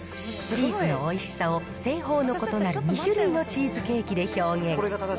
チーズのおいしさを製法の異なる２種類のチーズケーキで表現。